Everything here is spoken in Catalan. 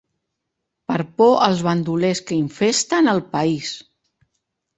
Per por als bandolers que infesten el país.